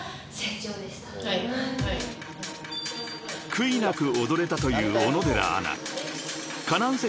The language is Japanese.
［悔いなく踊れたという小野寺アナ］